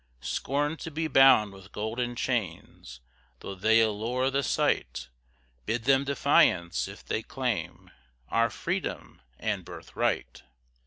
Scorn to be bound with golden chains, Though they allure the sight; Bid them defiance, if they claim Our freedom and birthright.